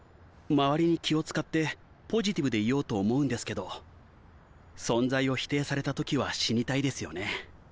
周りに気を遣ってポジティブでいようと思うんですけど存在を否定された時は死にたいですよね。